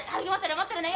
持ってるね。